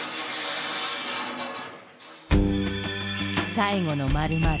「最後の○○」。